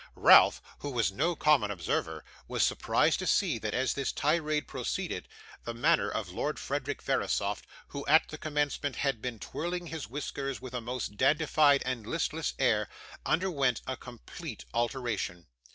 Ralph, who was no common observer, was surprised to see that as this tirade proceeded, the manner of Lord Frederick Verisopht, who at the commencement had been twirling his whiskers with a most dandified and listless air, underwent a complete alteration.